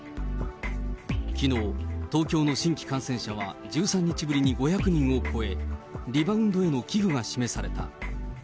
きのう、東京の新規感染者は１３日ぶりに５００人を超え、リバウンドへの危惧が示された。